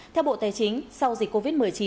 theo bộ tài chính sau dịch covid một mươi chín